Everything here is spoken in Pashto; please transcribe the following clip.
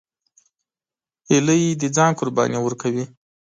هیلۍ د ځان قرباني ورکوي